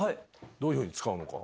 どういうふうに使うのか。